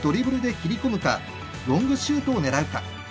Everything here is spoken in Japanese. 切り込むかロングシュートを狙うか。